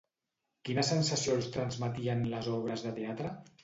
Quina sensació els transmetien les obres de teatre?